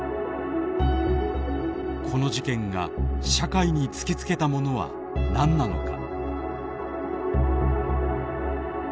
この事件が社会に突きつけたものは、なんなのか。